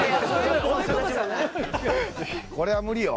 これは無理よ。